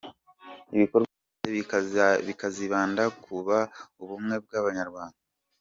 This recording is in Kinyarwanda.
Ibikorwa byose bikazibanda ku kubaka ubumwe bw’abanyarwanda.